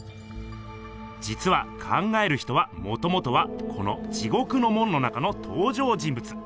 じつは「考える人」はもともとはこの「地獄の門」の中のとう場人ぶつ。